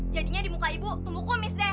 jadinya di muka ibu tumbuh kumis deh